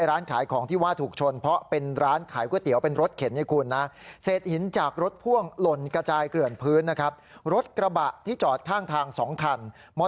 ร้านขายของที่ว่าถูกชนเพราะเป็นร้านขายก๋วยเตี๋ยวเป็นรถเข็นให้คุณนะ